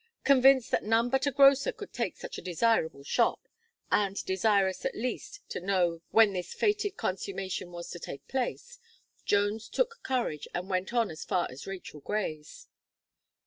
Convinced that none but a grocer could take such a desirable shop, and desirous, at least, to know when this fated consummation was to take place, Jones took courage, and went on as far as Rachel Gray's.